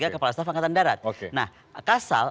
kepala staf angkatan darat nah kasal